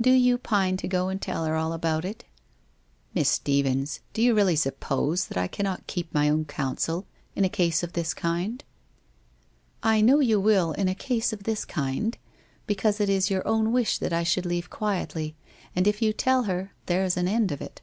Do you pine to go and tell her all about it ?'' Miss Stephens, do you really suppose that I cannot keep my own counsel in a case of this kind?' * I know you will in a case of this kind because it is your own wish that I should leave quietly, and if you tell her, there's an end of it